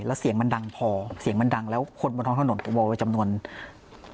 แล้วเสียงมันดำพอแล้วคนบนท้องทะนดลวง